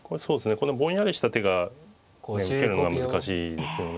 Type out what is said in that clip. このぼんやりした手が受けるのが難しいですよね。